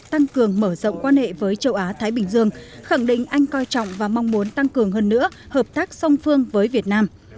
tăng cường mở rộng quan hệ với châu á thái bình dương khẳng định anh coi trọng và mong muốn tăng cường hơn nữa hợp tác song phương với việt nam